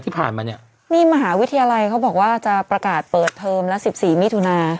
ที่ผ่านมาเนี่ยนี่มหาวิทยาลัยเขาบอกว่าจะประกาศเปิดเทอมละสิบสี่มิถุนา